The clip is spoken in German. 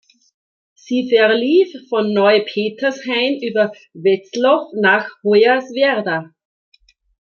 Sie verlief von Neupetershain über Welzow nach Hoyerswerda.